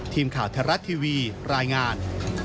ทีมข่าวทรัศน์ทีวีรายงาน